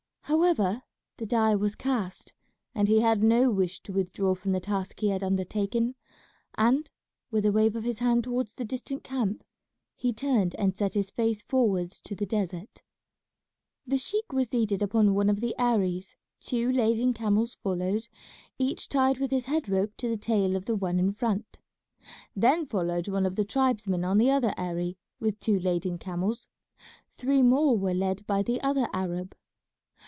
However the die was cast, and he had no wish to withdraw from the task he had undertaken; and, with a wave of his hand towards the distant camp, he turned and set his face forwards to the desert. The sheik was seated upon one of the heiries, two laden camels followed, each tied with his head rope to the tail of the one in front. Then followed one of the tribesmen on the other heirie with two laden camels; three more were led by the other Arab.